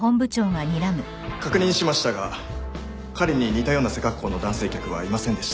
確認しましたが彼に似たような背格好の男性客はいませんでした。